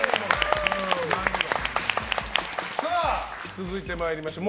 続いて参りましょう。